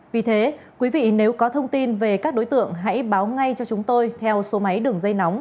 vì thế quý vị nếu có thông tin về các đối tượng hãy báo ngay cho chúng tôi theo số máy đường dây nóng